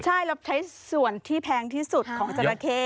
ใช่เราใช้ส่วนที่แพงที่สุดของจราเข้